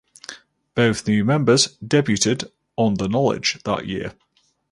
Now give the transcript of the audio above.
Both new members debuted on "The Knowledge" that year.